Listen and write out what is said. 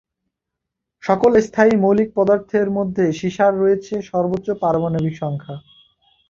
সকল স্থায়ী মৌলিক পদার্থের মধ্যে সীসার রয়েছে সর্বোচ্চ পারমাণবিক সংখ্যা।